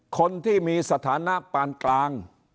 คนที่มีสถานะปานกลาง